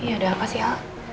iya udah apa sih al